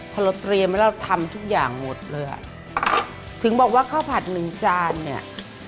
พอเร็วแล้วทำทุกอย่างหมดเลยถึงบอกว่าข้าวผัด๑จานเนี่ย